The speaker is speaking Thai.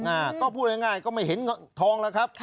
อ่าก็พูดง่ายก็ไม่เห็นทองแล้วครับ